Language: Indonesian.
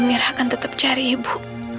amirah akan tetap cari ibu